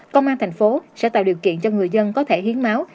công an tp hcm sẽ tạo điều kiện cho người dân có thể hiến máu